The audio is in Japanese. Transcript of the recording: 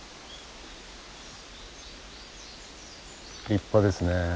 立派ですねえ。